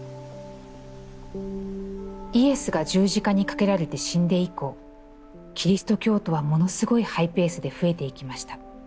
「イエスが十字架にかけられて死んで以降、キリスト教徒はものすごいハイペースで増えていきました。